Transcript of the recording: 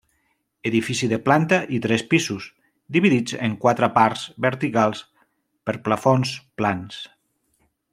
Edifici de planta i tres pisos; dividits en quatre parts verticals per plafons plans.